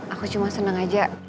aku cuma senang aja